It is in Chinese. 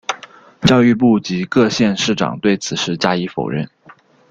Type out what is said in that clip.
教育部及各县市长对此事加以否认。